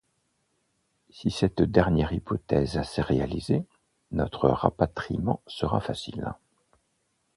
Si cette dernière hypothèse s’est réalisée, notre rapatriement sera facile.